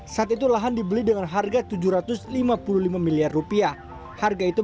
jadi rd loh intermedi kiri untuk mel perpetrasi men agentre